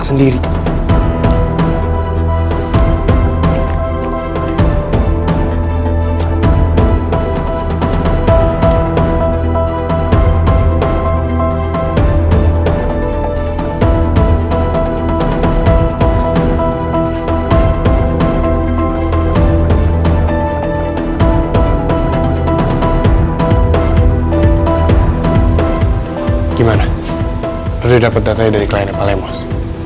sudah di dapat data nya dari kliennya pak lemos